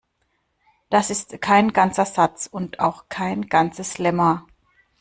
Das ist kein ganzer Satz und auch kein ganzes Lemma.